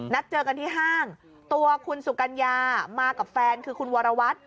นัดเจอกันที่ห้างตัวคุณสุกัญญามากับแฟนคือคุณวรวัตร